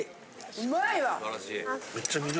うまいわ！